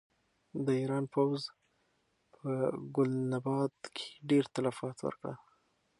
د ایران پوځ په ګلناباد کې ډېر تلفات ورکړل.